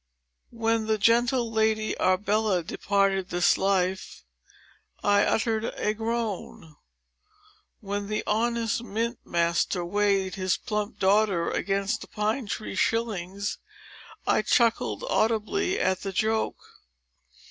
When the gentle Lady Arbella departed this life, I uttered a groan. When the honest mint master weighed his plump daughter against the pine tree shillings, I chuckled audibly at the joke.